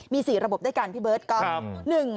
มี๔ระบบด้วยกันพี่เบิร์ตก๊อฟ